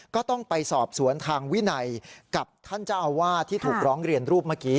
ก็ต้องไปสอบสวนทางวินัยกับท่านเจ้าอาวาสที่ถูกร้องเรียนรูปเมื่อกี้